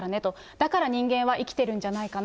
だから人間は生きてるんじゃないかな。